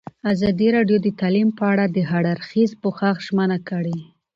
ازادي راډیو د تعلیم په اړه د هر اړخیز پوښښ ژمنه کړې.